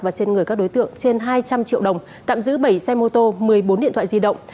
và trên người các đối tượng trên hai trăm linh triệu đồng tạm giữ bảy xe mô tô một mươi bốn điện thoại di động